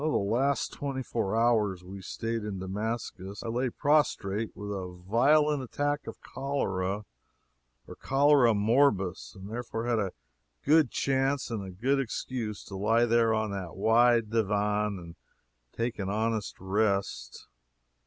The last twenty four hours we staid in Damascus I lay prostrate with a violent attack of cholera, or cholera morbus, and therefore had a good chance and a good excuse to lie there on that wide divan and take an honest rest.